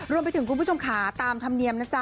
รวมไปถึงกุมผู้ชมค่าตามธรรมเนียมนะจ๊ะ